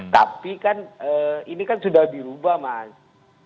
tapi kan ini kan sudah dirubah mas